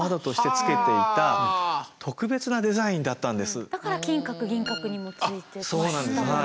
実はこのだから金閣銀閣にもついてましたもんね。